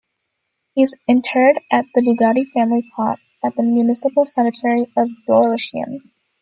He is interred in the Bugatti family plot at the municipal cemetery in Dorlisheim.